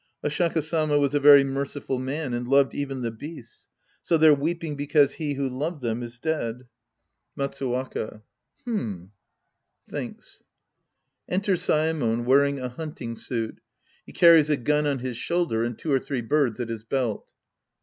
Oshaka Sama was a very merciful man and loved even the beasts. So they're weeping be cause he who loved them is dead. 16 The Priest and His Disciples Act I Matsuwaka. H'm. {Thinks.) {Enter Saemon, tvearing a Imnting suit. He car ries a gun on his shoulder and two or three birds at his belt.)